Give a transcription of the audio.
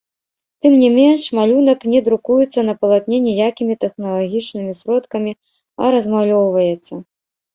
Тым не менш, малюнак не друкуецца на палатне ніякімі тэхналагічнымі сродкамі, а размалёўваецца.